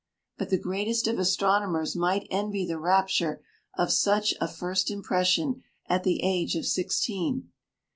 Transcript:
but the greatest of astronomers might envy the rapture of such a first impression at the age of sixteen.